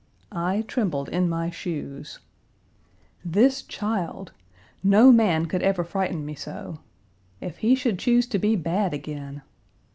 I trembled in my shoes. This Page 254 child! No man could ever frighten me so. If he should choose to be bad again!